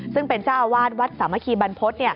ซึ่งเป็นเจ้าอาวาสวัตรสามกีบันพฤษ